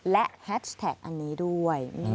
และแฮชแท็กอันนี้ด้วย